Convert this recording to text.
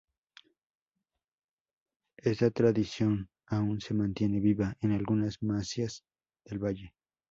Esta tradición aun se mantiene viva en algunas masías del valle.